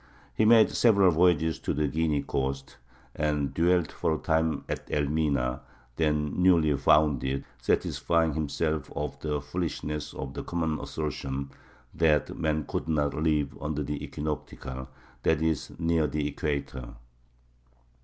He made several voyages to the Guinea coast, and dwelt for a time at El Mina, then newly founded, satisfying himself of the foolishness of the common assertion that men could not live "under the equinoctial"—that is, near the equator.